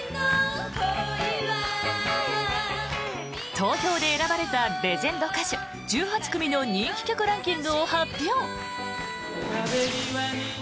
投票で選ばれたレジェンド歌手１８組の人気曲ランキングを発表。